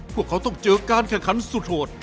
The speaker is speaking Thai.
พวกเขาต้องเจอการแข่งขันสุดโหด